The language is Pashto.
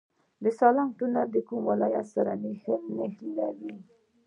د سالنګ تونل کوم ولایتونه سره نښلوي؟